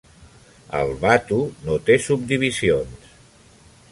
El "vatu" no té subdivisions.